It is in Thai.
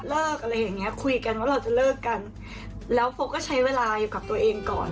อะไรอย่างเงี้คุยกันว่าเราจะเลิกกันแล้วโฟก็ใช้เวลาอยู่กับตัวเองก่อน